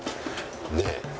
ねえ。